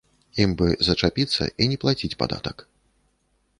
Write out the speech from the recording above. Ім бы зачапіцца і не плаціць падатак.